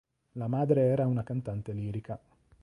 La madre era una cantante lirica.